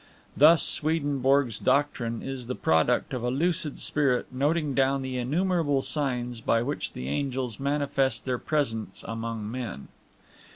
Thus Swedenborg's doctrine is the product of a lucid spirit noting down the innumerable signs by which the angels manifest their presence among men.